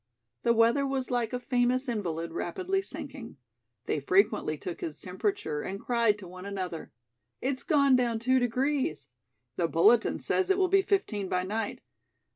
The weather was like a famous invalid rapidly sinking. They frequently took his temperature and cried to one another: "It's gone down two degrees." "The bulletin says it will be fifteen by night."